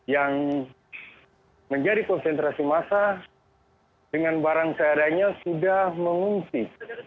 yang menjadi konsentrasi massa dengan barang seadanya sudah mengungsi